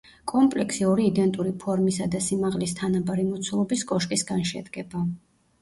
კომპლექსი ორი იდენტური ფორმისა და სიმაღლის თანაბარი მოცულობის კოშკისგან შედგება.